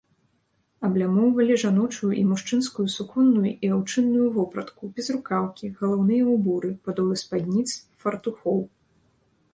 Аблямоўвалі жаночую і мужчынскую суконную і аўчынную вопратку, безрукаўкі, галаўныя ўборы, падолы спадніц, фартухоў.